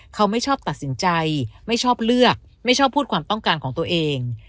เขาไม่ชอบตัดสินใจไม่ชอบเลือกไม่ชอบพูดความต้องการของตัวเอง